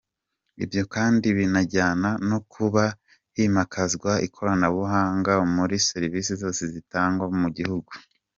Ibyo kandi binajyana no kuba himakazwa ikoranabuhanga muri serivisi zose zitangwa mu gihugu.